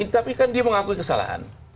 tapi kan dia mengakui kesalahan